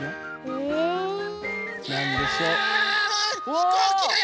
ひこうきだよ